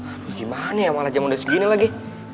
aduh gimana ya malah jam udah segini lagi